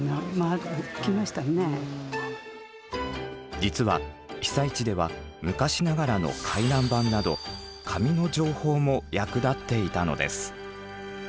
実は被災地では昔ながらの回覧板など紙の情報も役立っていたのです。